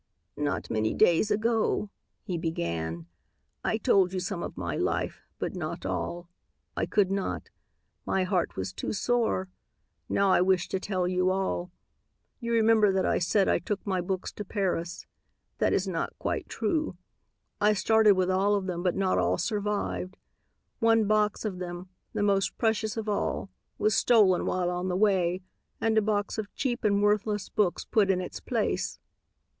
"Not many days ago," he began, "I told you some of my life, but not all. I could not. My heart was too sore. Now I wish to tell you all. You remember that I said I took my books to Paris. That is not quite true. I started with all of them but not all arrived. One box of them, the most precious of all, was stolen while on the way and a box of cheap and worthless books put in its place.